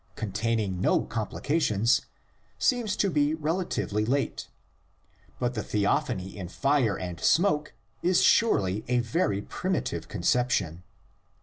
containing no complications, seems to be relatively late, but the theophany in fire and smoke is surely a very primitive conception.